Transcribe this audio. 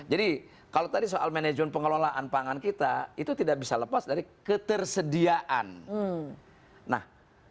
jadi kalau tadi soal manajemen pengelolaan pangan kita itu tidak bisa lepas dari ketersediaan nah